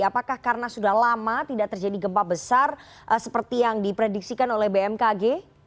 apakah karena sudah lama tidak terjadi gempa besar seperti yang diprediksikan oleh bmkg